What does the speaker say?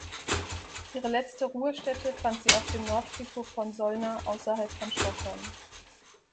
Ihre letzte Ruhestätte fand sie auf dem Nordfriedhof von Solna außerhalb von Stockholm.